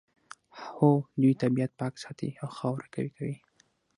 هو دوی طبیعت پاک ساتي او خاوره قوي کوي